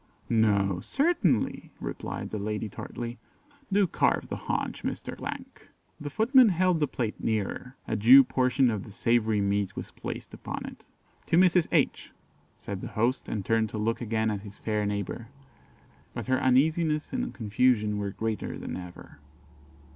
"No, certainly!" replied the lady tartly. "Do carve the haunch, Mr. ." The footman held the plate nearer, a due portion of the savoury meat was placed upon it. "To Mrs. H ," said the host, and turned to look again at his fair neighbour; but her uneasiness and confusion were greater than ever.